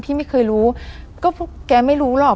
พี่ไม่เคยรู้ก็แกไม่รู้หรอก